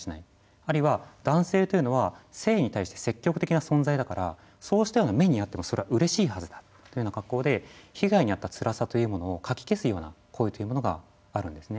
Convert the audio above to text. あるいは男性というのは性に対して積極的な存在だからそうしたような目に遭ってもそれはうれしいはずだというような格好で被害に遭ったつらさというのをかき消すような声というものがあるんですね。